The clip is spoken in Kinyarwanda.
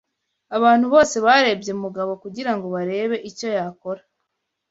Abantu bose barebye Mugabo kugirango barebe icyo yakora.